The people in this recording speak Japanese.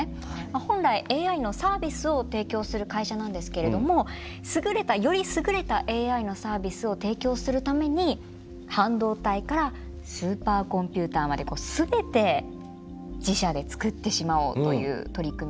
本来ＡＩのサービスを提供する会社なんですけれども優れたより優れたＡＩのサービスを提供するために半導体からスーパーコンピューターまで全て自社でつくってしまおうという取り組みでした。